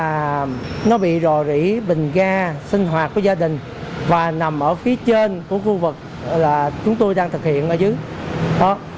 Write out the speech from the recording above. và nó bị rò rỉ bình ga sinh hoạt của gia đình và nằm ở phía trên của khu vực là chúng tôi đang thực hiện ở dưới